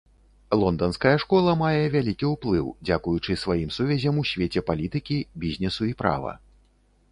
Лонданская школа мае вялікі ўплыў, дзякуючы сваім сувязям у свеце палітыкі, бізнесу і права.